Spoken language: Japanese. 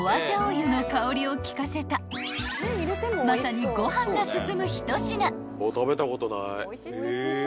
油の香りを利かせたまさにご飯が進む一品］